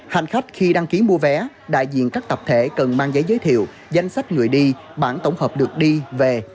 hành khách khi đăng ký mua vé đại diện các tập thể cần mang giấy giới thiệu danh sách người đi bản tổng hợp được đi về